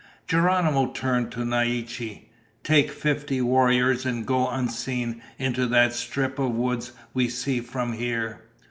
Geronimo turned to Naiche. "Take fifty warriors and go unseen into that strip of woods we see from here.